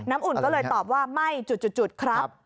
อุ่นก็เลยตอบว่าไม่จุดครับ